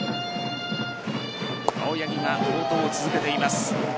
青柳が好投を続けています。